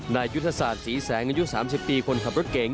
ยุทธศาสตร์ศรีแสงอายุ๓๐ปีคนขับรถเก๋ง